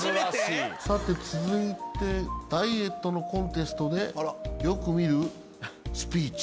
さて続いてダイエットのコンテストでよく見るスピーチ。